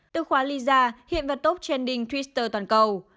từ khóa lisa hiện vào top trending twitter toàn cầu